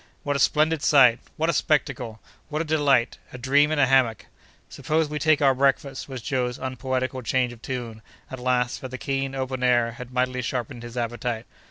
"What a splendid sight! What a spectacle! What a delight! a dream in a hammock!" "Suppose we take our breakfast?" was Joe's unpoetical change of tune, at last, for the keen, open air had mightily sharpened his appetite.